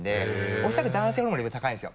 おそらく男性ホルモンのレベルが高いんですよ。